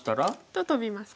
とトビます。